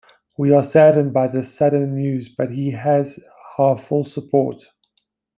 We are saddened by this sudden news but he has our full support.